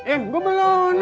eh gue belum